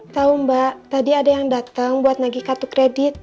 tahu mbak tadi ada yang datang buat nagih kartu kredit